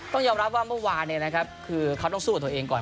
ต้องยอมรับว่าเมื่อวานคือเขาต้องสู้กับตัวเองก่อน